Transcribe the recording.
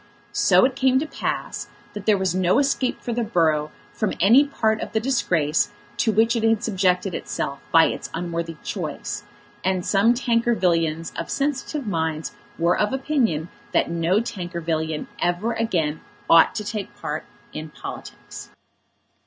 So it came to pass that there was no escape for the borough from any part of the disgrace to which it had subjected itself by its unworthy choice, and some Tankervillians of sensitive minds were of opinion that no Tankervillian ever again ought to take part in politics.